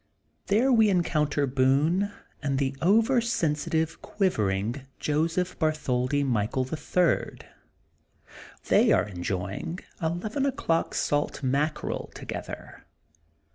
There we en counter Boone and the over sensitive quiver ing Joseph Bartholdi Michael, the Third. They are enjoying eleven o^clock salt mack erel together.